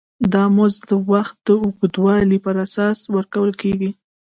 دا مزد د وخت د اوږدوالي پر اساس ورکول کېږي